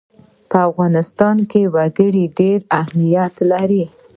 په افغانستان کې وګړي ډېر اهمیت لري.